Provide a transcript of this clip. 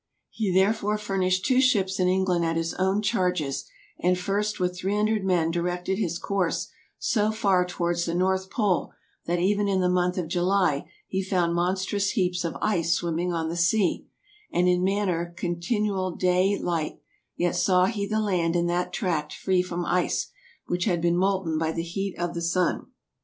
Hee therefore furnished two ships in England at his owne charges, and first with 300 men directed his course so farre towards the North pole, that euen in the moneth of Iuly he found monstrous heapes of ice swimming on the sea, and in maner continuall day light, yet saw he the land in that tract free from ice, which had bene molten by the heat of the Sunne.